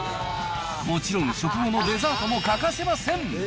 もちろん食後のデザートも欠かせません。